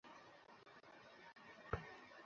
এবং নিশ্চিত করুন যে তিনি সুস্থ হয়ে উঠছেন।